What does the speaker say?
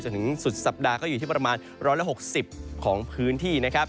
ถึงสุดสัปดาห์ก็อยู่ที่ประมาณ๑๖๐ของพื้นที่นะครับ